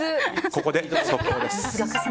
ここで速報です。